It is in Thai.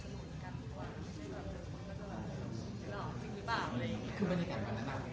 ว่าตอนนี้คนมีความรู้สึกสองกุมเยอะไปหน่อยในสังคมเรา